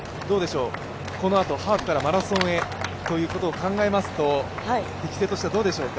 このあとハーフからマラソンへということを考えますと適性としてはどう考えますか？